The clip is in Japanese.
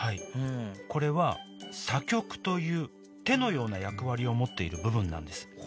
これは叉棘という手のような役割を持っている部分なんですへえ